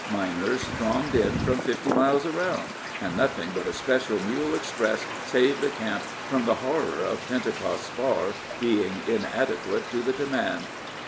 Miners thronged in from fifty miles around, and nothing but a special mule express saved the camp from the horror of Pentecost's bar being inadequate to the demand.